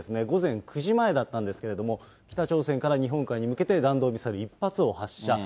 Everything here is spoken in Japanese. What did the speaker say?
午前９時前だったんですけど、北朝鮮から日本海に向けて、弾道ミサイル１発を発射。